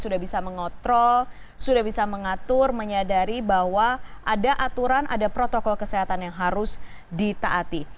sudah bisa mengontrol sudah bisa mengatur menyadari bahwa ada aturan ada protokol kesehatan yang harus ditaati